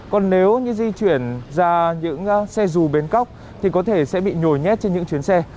khi di chuyển ra những xe dù bến cóc thì có thể sẽ bị nhồi nhét trên những chuyến xe